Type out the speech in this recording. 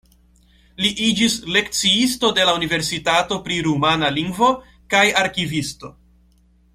Li iĝis lekciisto de la universitato pri rumana lingvo kaj arkivisto.